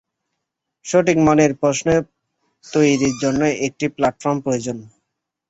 সঠিক মানের প্রশ্ন তৈরির জন্য একটি প্ল্যাটফর্ম প্রয়োজন।